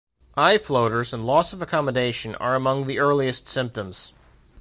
Eye floaters and loss of accommodation are among the earliest symptoms.